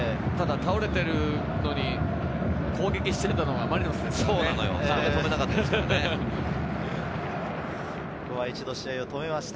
倒れているのに攻撃していたのがマリノスでした。